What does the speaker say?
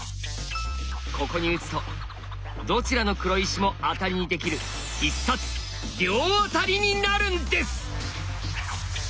ここに打つとどちらの黒石もアタリにできる必殺「両アタリ」になるんです！